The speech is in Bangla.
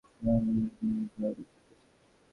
জীবনের প্রতিটা দিনই ভয়ে ভয়ে কাটিয়েছি।